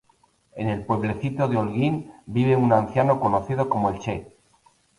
En el pueblecito de Holguín, vive un anciano conocido como el Che.